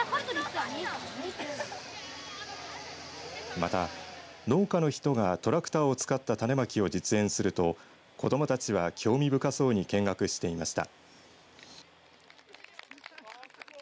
また、農家の人がトラクターを使った種まきを実演すると子どもたちは、興味深そうに見学していました。